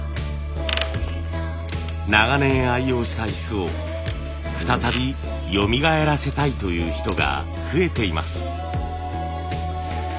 長年愛用した椅子を再びよみがえらせたいという人が増えています。